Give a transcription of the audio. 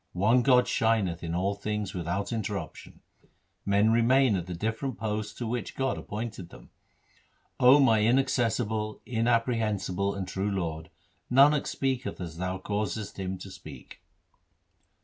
One God shineth in all things without interruption. Men remain at the different posts to which God appointed them. O my inaccessible, inapprehensible, and true Lord, Nanak speaketh as Thou causest him to speak.'